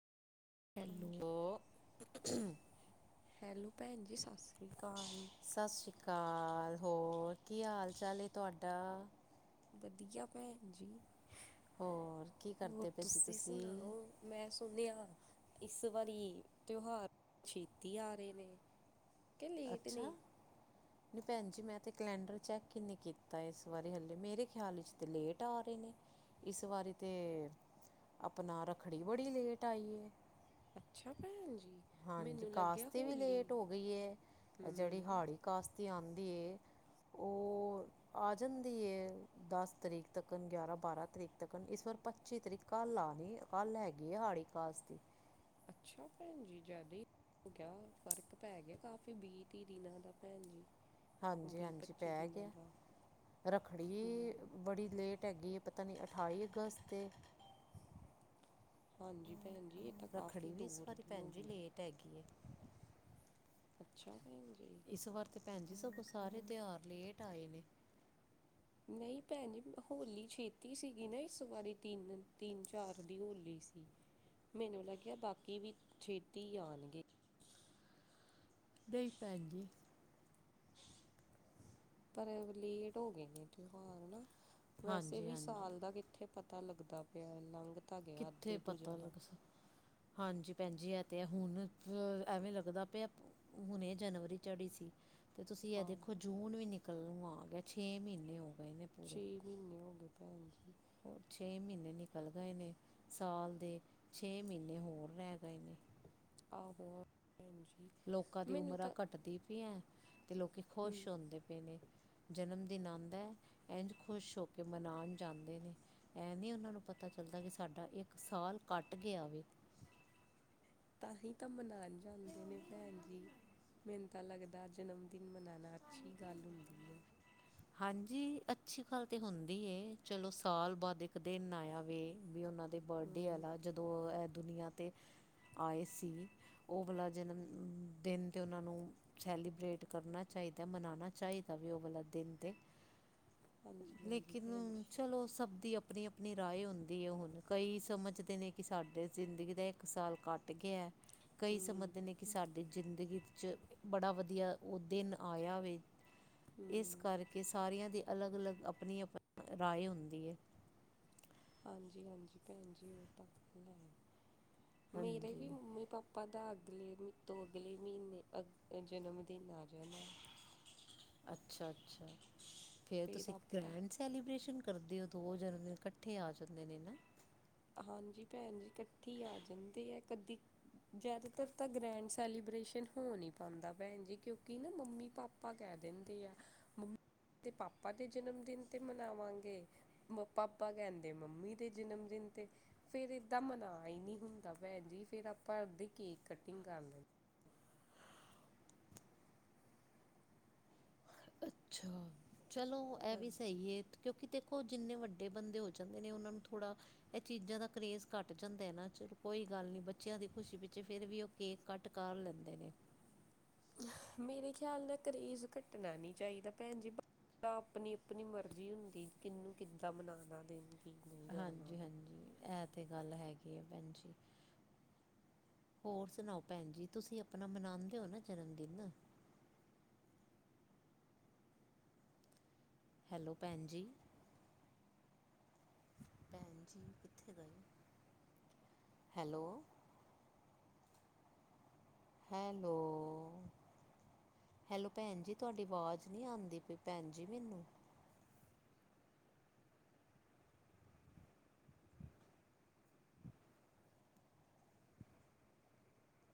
Hello. ਉਹ [inaudible] hello ਭੈਣਜੀ ਸਾਸਰੀਕਾਲ। ਸਾਸਰੀਕਾਲ, ਹੋਰ ਕੀ ਹਾਲ ਚੱਲ ਏ ਤੁਹਾਡਾ? ਵਧੀਆ ਭੈਣਜੀ, ਹੋਰ ਕੀ ਹੋਰ ਕਰਦੇ ਪਏ ਸੀ ਤੁਸੀ ਤੁਸੀਂ ਸੁਣਾਓ? ਮੈਂ ਸੁਣਿਆ ਇਸ ਵਾਰੀ ਤਿਉਹਾਰ ਛੇਤੀ ਆ ਰਹੇ ਨੇ। ਕਿ ਲੇਟ ਨੇ ਅੱਛਾ? ਨਹੀਂ ਭੈਣਜੀ ਮੈਂ ਤੇ ਕਲੈਂਡਰ ਚੈੱਕ ਈ ਨਹੀਂ ਕੀਤਾ ਇਸ ਵਾਰੀ ਹਲੇ ਮੇਰੇ ਖ਼ਿਆਲ ਚ ਤੇ ਲੇਟ ਆ ਰੇ ਨੇ। ਇਸ ਵਾਰੀ ਤੇ ਆਪਣਾ ਰੱਖੜੀ ਬੜੀ ਲੇਟ ਆਈ ਏ। ਅੱਛਾ ਭੈਣਜੀ? ਹਾਂਜੀ, ਕਾਸ਼ਤੀ ਵੀ ਲੇਟ ਹੋ ਗਈ ਏ ਐ ਜੇੜੀ ਹਮ ਹਾੜੀ ਕਾਸ਼ਤੀ ਆਂਦੀ ਏ ਉਹ ਆ ਜਾਂਦੀ ਏ। ਦਸ ਤਰੀਕ ਤਕੱਣ, ਗਿਆਰਾਂ ਬਾਰਾਂ ਤਰੀਕ ਤਕੱਣ, ਇਸ ਵਾਰ ਪੱਚੀ ਤਰੀਕ ਕਲ ਆਨੀ ਆ। ਕਲ ਹੈਗੀ ਏ ਹਾੜੀ ਕਾਸ਼ਤੀ। ਅੱਛਾ ਭੈਣਜੀ? ਜਾਦਾ ਈ- ਹੋ ਗਿਆ ਫ਼ਰਕ ਪੈ ਗਿਆ ਕਾਫ਼ੀ ਬੀ-ਤੀ ਦਿਨਾਂ ਦਾ ਭੈਣਜੀ। ਹਾਂਜੀ-ਹਾਂਜੀ ਪੈ ਗਿਆ, ਰੱਖੜੀ ਹਮ ਬੜੀ ਲੇਟ ਹੈਗੀ ਪਤਾ ਨੀ ਅਠਾਈ ਅਗਸਤ ਏ- ਹਾਂਜੀ ਭੈਣਜੀ, ਐ ਤਾਂ ਕਾਫੀ ਦੂਰ ਦੀ ਹੋ ਗਈ ਏ। ਟੈਗੀ ਏ। ਅੱਛਾ ਭੈਣਜੀ? ਇਸ ਵਾਰ ਤੇ ਭੈਣਜੀ ਸਗੋਂ ਸਾਰੇ ਤਿਓਹਾਰ ਲੇਟ ਆਏ ਨੇ। ਨਹੀਂ ਭੈਣਜੀ ਹੋਲੀ ਛੇਤੀ ਸੀਗੀ ਨਾ ਇਸ ਵਾਰੀ ਤਿੰਨ ਤਿੰਨ ਚਾਰ ਦੀ ਹੋਲੀ ਸੀ। ਮੈਨੂੰ ਲੱਗਿਆ ਬਾਕੀ ਵੀ ਛੇਤੀ ਆਣਗੇ। ਨਹੀਂ ਭੈਣ ਜੀ। ਪਰ ਲੇਟ ਹੋਗੇ ਨੇ ਤੇਉਹਾਰ ਹਨਾ, ਵੈਸੇ ਹਾਂਜੀ ਵੀ ਹਾਂਜੀ ਸਾਲ ਦਾ ਕਿਥੇ। ਪਤਾ ਲਗਦਾ ਪਿਆ ਲਂਘ ਤਾ ਗਿਆ ਕਿੱਥੇ ਅੱਧੇ ਤੋ ਪਤਾ ਜਿਆਦਾ, ਲੱਗ ਸ ਹਾਂਜੀ ਭੈਣਜੀ ਏ ਤੇ ਹੈ ਹੁਣ ਅ ਐਵੇ ਲਗਦਾ ਪਿਆ ਪ। ਹੁਨੇ ਜਨਵਰੀ ਚੜੀ ਸੀ। ਤੇ ਤੁਸੀ ਏ ਹਾਂ ਦੇਖੋ ਜੂਨ ਵੀ ਨਿਕਲਣ ਨੁੰ ਆ ਗਿਆ ਛੇ ਮਹੀਨੇ ਹੋ ਗਏ ਨ। ਛੇ ਮਹੀਨੇ ਹੋ ਗੇ ਭੈਣਜੀ। ਹੋਰ ਛੇ ਮਹੀਨੇ ਨਿਕਲ ਗਏ ਨੇ ਸਾਲ ਦੇ ਛੇ ਮਹੀਨੇ ਹੋਰ ਰਹਿ ਗਏ ਨੇ। ਆਹੋ ਭੈਣਜੀ। ਲੋਕਾ ਦੀ ਉਮਰਾਂ ਘਟਧੀ ਪਿਆ, ਤੇ ਲੋਕੀ ਹਮ, ਖੋਸ਼ ਹੁੰਦੇ ਪਏ ਨੇ। ਜਨਮ ਦਿਨ ਆਂਦਾ ਏ, ਏਂਝ ਖੂਸ਼ ਹੋਕੇ ਮਨਾਨ ਜਾਂਦੇ ਨੇ। ਏ ਨਹੀਂ ਓਹਨਾ ਨੂੰ ਪਤਾ ਚਲਦਾ ਕੀ ਸਾਡਾ ਇਕ ਸਾਲ ਕਟ ਗਿਆ ਵੇ। ਤਾਂਹੀ ਤਾ ਮਨਾਨ ਜਾਂਦੇ ਨੇ ਭੈਣਜੀ। ਮੈਨੂੰ ਤੇ ਲਗਦਾ ਜਨਮਦਿਨ ਮਨਾਣਾ ਅੱਛੀ ਗੱਲ ਹੁੰਦੀ ਏ। ਹਾਂਜੀ ਅੱਛੀ ਗੱਲ ਤੇ ਹੁੰਦੀ ਏ ਚਲੋ ਸਾਲ ਬਾਦ ਇਕ ਦਿਨ ਆਇਆ ਵੇ, ਵੀ ਓਹਨਾ। ਤੇ ਬਰਡੇ ਹਮ, ਆਲਾ ਜਦੋਂ ਏਹ ਦੁਨੀਆਂ ਤੇ ਆਏ ਸੀ। ਉਹ ਵਾਲਾ ਜਨਮਦਿਨ ਤੇ ਓਹਨਾ ਨੂੰ। ਸੈਲੀਬਿਰੇਟ ਕਰਨਾ ਚਾਹੀਦਾ ਮਨਾਣਾ ਚਾਹੀਦਾ ਵੇ ਉਹ ਵਾਲਾ ਦਿਨ। ਤੇ ਹਾਂਜੀ ਹਾਂਜੀ ਭੈਣ ਲੇਕਿਨ ਜੀ ਚਲੋ ਸਬਦੀ ਅਪਣੀ- ਅਪਣੀ। ਆਪਣੀ ਰਾਇ ਹੁੰਦੀ ਏ ਹੁਣ ਕਈ ਸਮਝਦੇ ਨੇ ਕੀ ਸਾਡੇ ਜਿੰਦਗੀ ਦਾ ਇਕ ਸਾਲ ਘਟ ਗਿਆ। ਕਈ ਹਮ ਸਮਜਦੇ ਨੇ ਕੀ ਸਾਡੀ ਜਿੰਦਗੀ ਚ ਬੜਾ ਵਧਿਆ ਉਹ ਦਿਨ ਆਇਆ ਵੇ। ਇਸ ਹੂੰ ਕਰਕੇ ਸਾਰਿਆਂ ਦੀ ਅਲੱਗ- ਅਲੱਗ ਆਪਣੀ- ਆਪਣੀ ਰਾਏ ਹੁੰਦੀ ਏ। ਹਾਂਜੀ- ਹਾਂਜੀ ਭੈਣਜੀ ਓਹਤਾ ਹੈ, ਮੇਰੇ ਹਾਂਜੀ ਵੀ ਮੁਮੀ ਪਾ- ਪਾ ਦਾ ਅਗਲੇ ਤੋ ਅਗਲੇ ਮੀਹਨੇ ਜਨਮਦਿਨ ਆ ਜਾਣਾ ਏ। ਅੱਛਾ- ਅੱਛਾ ਫੇਰ ਫਿਰ ਤੁਸੀ ਆਪਾਂ ਗ੍ਰੈਂਡਸ। ਸੈਲੀਬ੍ਰੇਸ਼ਨ ਕਰਦੇ ਓ ਦੋ ਜਨਮ ਦਿਨ ਕੱਠੇ ਆ ਜਾਂਦੇ ਨੇ ਨਾ। ਹਾਂਜੀ ਭੈਣ ਜੀ ਕੱਠੇ ਈ ਆ ਜਾਂਦੇ ਏ ਕਦੀ। ਜਾਦਾਤਰ ਤਾਂ ਗ੍ਰੈਂਡ ਸੈਲੀਬ੍ਰੇਸ਼ਨ ਹੋ ਨੀ ਪਾਂਦਾ ਭੈਣ ਜੀ, ਕਿਉਂਕਿ ਨਾ ਮੰਮੀ ਪਾਪਾ। ਪਾਪਾ ਕੈ ਦਿੰਦੇ ਏ ਮੰਮ ਤੇ ਪਾਪਾ ਦੇ ਜਨਮ ਦਿਨ ਤੇ ਮਨਾਵਾਂਗੇ। ਮੋ ਪਾਪਾ ਕੈਂਦੇ ਮੰਮੀ ਦੇ ਜਨਮ ਦਿਨ- ਤੇ ਫੇਰ ਏਦਾਂ ਮਨਾ ਈ ਨੀ ਹੁੰਦਾ ਭੈਣ ਜੀ। ਫੇਰ ਆਪਾਂ ਏਦਾਂ ਕੇਕ ਕਟਿੰਗ ਕਰ ਲੈਂ। ਅੱਛਾ ਚਲੋ ਐ ਵੀ ਹਾਂਜੀ ਸਹੀ ਏ। ਕਿਉਂਕਿ ਦੇਖੋ ਜਿੰਨੇ ਵੱਡੇ ਬੰਦੇ ਹੋ ਜਾਂਦੇ ਨੇ ਉਨਾਂ ਨੂੰ ਥੋੜਾ- ਐ ਚੀਜ਼ਾਂ ਦਾ ਕਰੇਜ਼ ਘੱਟ ਜਾਂਦਾ ਹੈ ਨਾ 'ਚਲ ਕੋਈ ਗੱਲ ਨੀ ਬੱਚਿਆਂ ਦੀ ਖੁਸ਼ੀ ਵਿੱਚ ਫੇਰ ਵੀ ਓ। ਕੇਕ ਕਟ ਕਰ ਲੈਂਦੇ ਨੇ। ਮੇਰੇ ਖਿਆਲ ਨਾਲ ਕਰੇਜ਼ ਘੱਟਣਾ ਨੀ ਚਾਈਦਾ ਭੈਣ ਜੀ, ਬਾ- ਤਾਂ ਆਪਣੀ- ਆਪਣੀ ਮਰਜ਼ੀ ਹੁੰਦੀ ਕਿਨੂੰ ਕਿੱਦਾਂ ਮਨਾਨਾ ਦਿਨ। ਹਾਂਜੀ- ਹਾਂਜੀ ਐ ਤਾਂ ਗੱਲ ਹੈਗੀ ਏ ਭੈਣ ਜੀ। ਹੋਰ ਸੁਣਾਓ ਭੈਣ ਜੀ, ਤੁਸੀਂ ਆਪਨਾ ਮਨਾਂਦੇ ਓ ਨਾ ਜਨਮਦਿਨ? ਹੈਲੋ ਭੈਣ ਜੀ। ਭੈਣ ਜੀ ਕਿੱਥੇ ਗਏ? ਹੈਲੋ, ਹੈਲੋ, ਹੈਲੋ ਭੈਣ ਜੀ ਤੁਆਡੀ ਵਾਜ਼ ਨੀ ਆਂਦੀ ਪਈ ਭੈਣ ਜੀ ਮਿਨੂੰ।